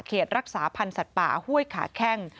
รักษาพันธ์สัตว์ป่าห้วยขาแข้ง